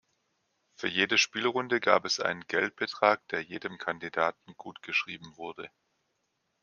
Für jede Spielrunde gab es einen Geldbetrag, der jedem Kandidaten gutgeschrieben wurde.